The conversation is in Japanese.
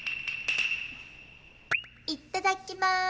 いっただっきます。